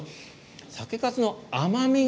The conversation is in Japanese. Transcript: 酒かすの甘みが